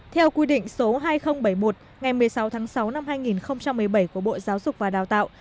theo quy định số hai nghìn bảy mươi một ngày một mươi sáu tháng sáu năm hai nghìn một mươi bảy của bộ giáo dục và đào tạo